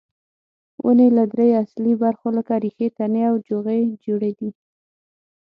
ونې له درې اصلي برخو لکه ریښې، تنه او جوغې جوړې دي.